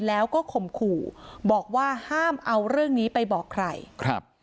แล้วก็ข่มขู่บอกว่าห้ามเอาเรื่องนี้ไปบอกใครครับ